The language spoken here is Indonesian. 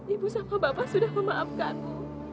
ibu sama bapak sudah memaafkanmu